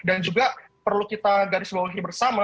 dan juga perlu kita garis bawahi bersama